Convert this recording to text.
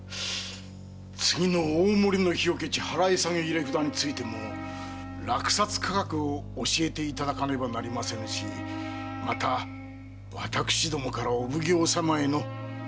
次の大森の火除地払い下げ入れ札についても落札価格を教えていただかねばなりませぬしまた私どもからお奉行様へのお届け物などもございます。